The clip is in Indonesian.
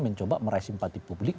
mencoba meraih simpati publik